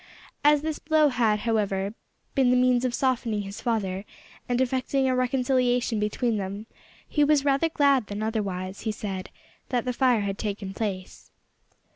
As this blow had, however, been the means of softening his father, and effecting a reconciliation between them, he was rather glad than otherwise, he said, that the fire had taken place.